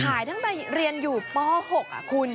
ตั้งแต่เรียนอยู่ป๖คุณ